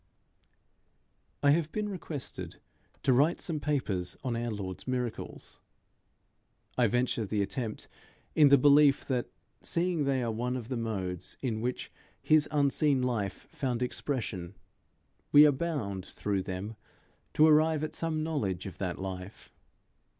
I have been requested to write some papers on our Lord's miracles. I venture the attempt in the belief that, seeing they are one of the modes in which his unseen life found expression, we are bound through them to arrive at some knowledge of that life.